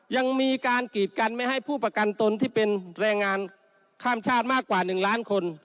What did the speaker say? ยังมีการกีดกันไม่ให้ผู้ประกันตนที่เป็นแรงงานข้ามชาติมากกว่า๑ล้านคน